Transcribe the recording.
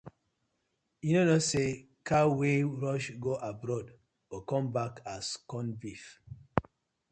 Yu no kno say cow wey rush go abroad go come back as corn beef.